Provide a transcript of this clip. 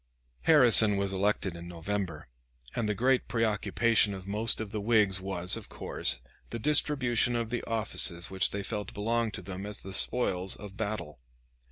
Harrison was elected in November, and the great preoccupation of most of the Whigs was, of course, the distribution of the offices which they felt belonged to them as the spoils of battle.